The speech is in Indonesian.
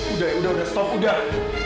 udah udah stop udah